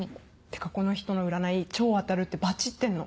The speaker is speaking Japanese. てかこの人の占い超当たるってバチってんの。